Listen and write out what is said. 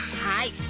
はい。